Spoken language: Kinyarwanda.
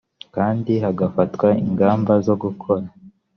kandi hagafatwa ingamba zo gukora